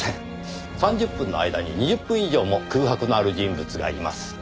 ３０分の間に２０分以上も空白のある人物がいます。